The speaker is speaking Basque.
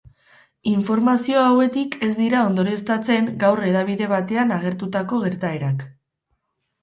Informazio hauetik ez dira ondorioztatzen gaur hedabide batean agertutako gertaerak.